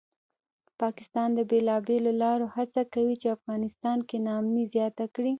پاکستان د بېلابېلو لارو هڅه کوي چې افغانستان کې ناامني زیاته کړي